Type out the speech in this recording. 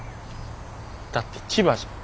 だって千葉じゃん。